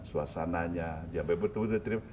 suasananya jangan sampai betul betul diterima